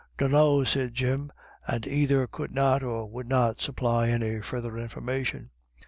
"Dunrio," said Jim, and either could not or would not supply any further information.